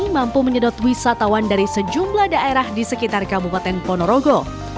mampu menyedot wisatawan dari sejumlah daerah di sekitar kabupaten ponorogo